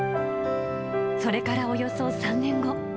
それからおよそ３年後。